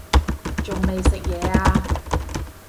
仲未食嘢呀